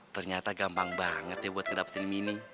ternyata gampang banget ya buat ngedapetin mini